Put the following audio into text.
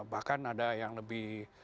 bahkan ada yang lebih